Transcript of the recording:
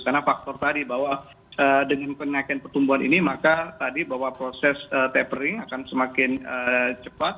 karena faktor tadi bahwa dengan kenaikan pertumbuhan ini maka tadi bahwa proses tapering akan semakin cepat